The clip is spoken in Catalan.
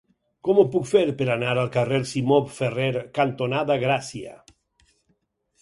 Com ho puc fer per anar al carrer Simó Ferrer cantonada Gràcia?